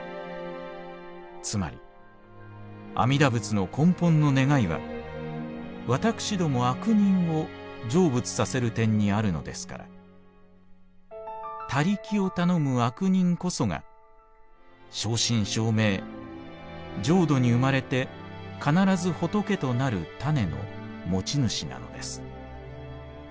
つまり阿弥陀仏の根本の願いは私ども悪人を成仏させる点にあるのですから他力をたのむ悪人こそが正真正銘浄土に生まれて必ず仏となる種の持ち主なのです。